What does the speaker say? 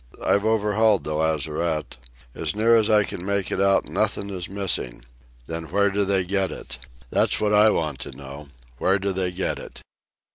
I've overhauled the lazarette. As near as I can make it out, nothing is missing. Then where do they get it? That's what I want to know. Where do they get it?"